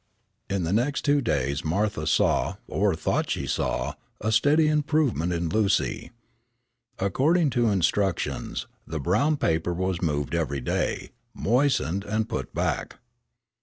In the next two days Martha saw, or thought she saw, a steady improvement in Lucy. According to instructions, the brown paper was moved every day, moistened, and put back.